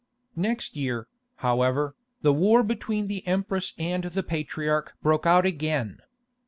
Next year, however, the war between the empress and the patriarch broke out again.